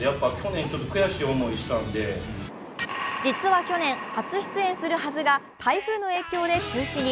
実は去年、初出演するはずが台風の影響で中止に。